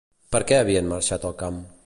Per què havien marxat al camp?